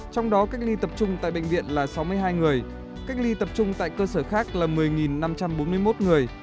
trong đó cách ly tập trung tại bệnh viện là sáu mươi hai người cách ly tập trung tại cơ sở khác là một mươi năm trăm bốn mươi một người